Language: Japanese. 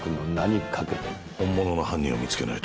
本物の犯人を見つけないと。